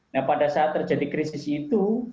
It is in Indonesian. nah pada saat terjadi krisis itu